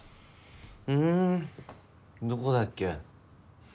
うんどこだっけ？